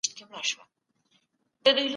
د انسان عزت له هر څه لوړ دی.